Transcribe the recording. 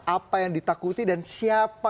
apa yang ditakuti dan siapa